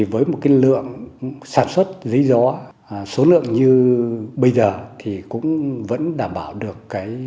với một lượng sản xuất giấy gió số lượng như bây giờ thì cũng vẫn đảm bảo được